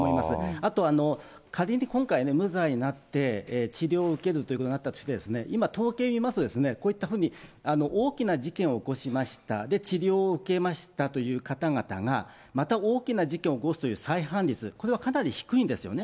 あと仮に今回、無罪になって、治療を受けるということになったとして、今統計見ますと、こういったふうに大きな事件を起こしました、で、治療を受けましたという方々が、また大きな事件を起こすという再犯率、これはかなり低いんですよね。